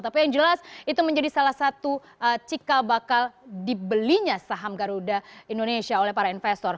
tapi yang jelas itu menjadi salah satu cikal bakal dibelinya saham garuda indonesia oleh para investor